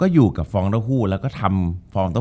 จบการโรงแรมจบการโรงแรม